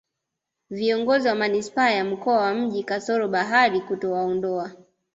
viongozi wa manispaa ya mkoa wa mji kasoro bahari kutowaondoa